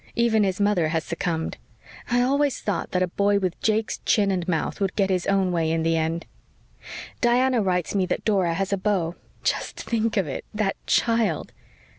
Even his mother has succumbed. I always thought that a boy with Jake's chin and mouth would get his own way in the end. Diana writes me that Dora has a beau. Just think of it that child!"